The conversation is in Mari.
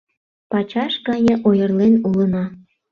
Пачаш гае ойырлен улына.